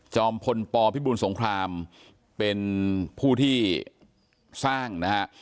พลปพิบูลสงครามเป็นผู้ที่สร้างนะฮะ